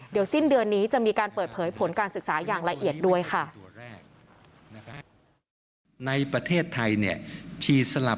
เดี๋ยวสิ้นเดือนนี้จะมีการเปิดเผยผลการศึกษาอย่างละเอียดด้วยค่ะ